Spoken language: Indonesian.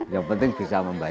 yang penting bisa membayar